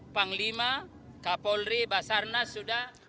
panglima kapolri basarnas sudah